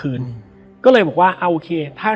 และวันนี้แขกรับเชิญที่จะมาเชิญที่เรา